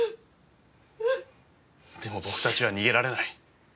でも僕たちは逃げられない。